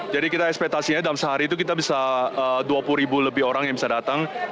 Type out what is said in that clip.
jadi kita ekspetasinya dalam sehari itu kita bisa dua puluh ribu lebih orang yang bisa datang